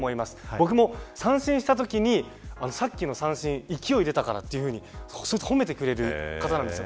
僕も三振したときにさっきの三振、勢い出たからとそうやって褒めてくれる方なんですよ。